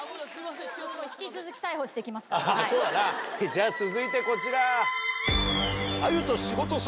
じゃ続いてこちら。